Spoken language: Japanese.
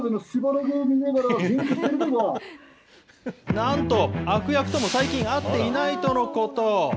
なんと悪役とも最近、会っていないとのこと。